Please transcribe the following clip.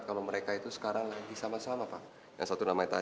sampai jumpa di video selanjutnya